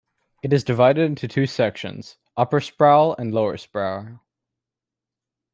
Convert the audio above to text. It is divided into two sections: Upper Sproul and Lower Sproul.